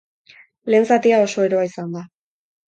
Lehen zatia oso eroa izan da.